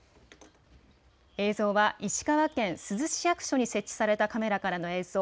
映像は石川県珠洲市役所に設置されたカメラからの映像。